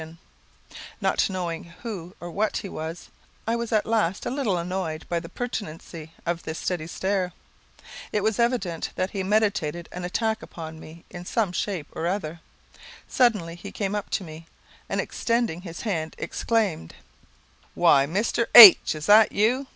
Not knowing who or what he was, I was at last a little annoyed by the pertinacity of this steady stare. It was evident that he meditated an attack upon me in some shape or other. Suddenly he came up to me, and extending his hand, exclaimed, "Why, Mister H , is this you?